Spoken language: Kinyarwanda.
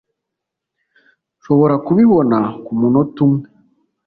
nshobora kubibona kumunota umwe